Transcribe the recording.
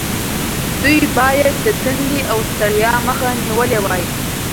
دوی باید د تندې او ستړیا مخه نیولې وای.